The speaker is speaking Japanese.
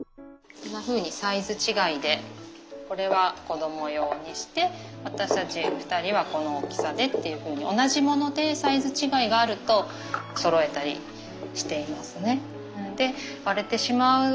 こんなふうにサイズ違いでこれは子ども用にして私たち２人はこの大きさでっていうふうに同じものでサイズ違いがあるとそろえたりしていますね。